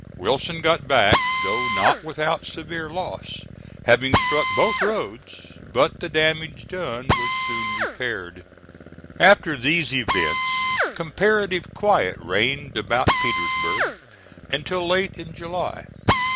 Wilson got back, though not without severe loss, having struck both roads, but the damage done was soon repaired. After these events comparative quiet reigned about Petersburg until late in July.